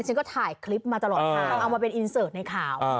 ฉันก็ถ่ายคลิปมาตลอดค่ะเอามาเป็นในข่าวอ่า